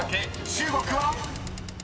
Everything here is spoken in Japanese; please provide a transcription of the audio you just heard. ［中国は⁉］